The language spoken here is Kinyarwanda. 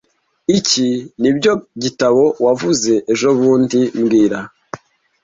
Iki nibyo gitabo wavuze ejobundi mbwira